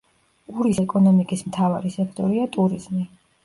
ურის ეკონომიკის მთავარი სექტორია ტურიზმი.